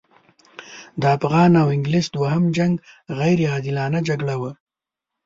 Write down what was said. د افغان او انګلیس دوهم جنګ غیر عادلانه جګړه وه.